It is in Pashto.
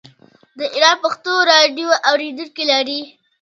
د ایران پښتو راډیو اوریدونکي لري.